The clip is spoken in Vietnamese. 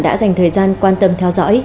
đã dành thời gian quan tâm theo dõi